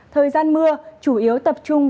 thời gian mưa chủ yếu tập trung